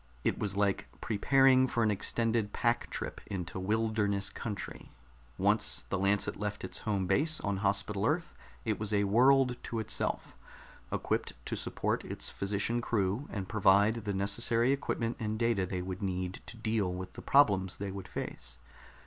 It was like preparing for an extended pack trip into wilderness country; once the Lancet left its home base on Hospital Earth it was a world to itself, equipped to support its physician crew and provide the necessary equipment and data they would need to deal with the problems they would face.